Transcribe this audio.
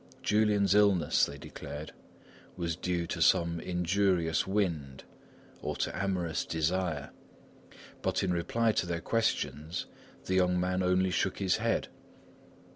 Julian's illness, they declared, was due to some injurious wind or to amorous desire. But in reply to their questions, the young man only shook his head.